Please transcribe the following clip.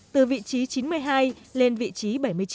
từ vị trí chín mươi hai lên vị trí bảy mươi chín